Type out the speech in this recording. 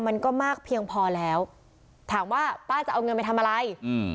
มันก็มากเพียงพอแล้วถามว่าป้าจะเอาเงินไปทำอะไรอืม